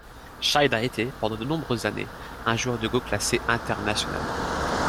Scheid a été, pendant de nombreuses années, un joueur de go classé internationalement.